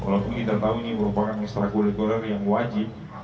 r merupakan ekstra kurikuler yang wajib